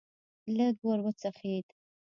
لږ ور وڅخېد.